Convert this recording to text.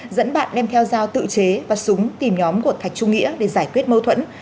dẫn bạn đem theo dao tự chế và súng tìm nhóm của thạch trung nghĩa để giải quyết mâu thuẫn